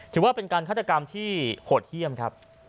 ถือว่าเป็นการฆาตกรรมที่โหดเยี่ยมครับ